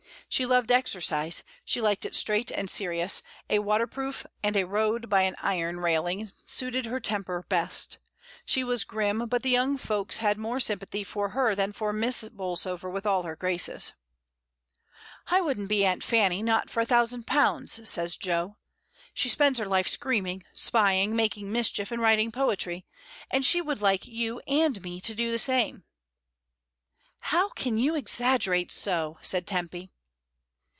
She loved exercise, she liked it straight and serious, a waterproof and a road by an iron railing suited her temper best; she was grim, but the young folks had more sym pathy for her than for Miss Bolsover with all her graces. EMPTY HOUSES. 1 3 "I wouldn't be Aunt Fanny not for a thousand pounds," says Jo. "She spends her life screaming, spying, making mischief, and writing poetry, and she would like you and me to do the same." "How can you exaggerate so!" said Tempy.